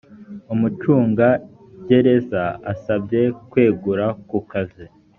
umucungagereza asabye kwegura ku kazi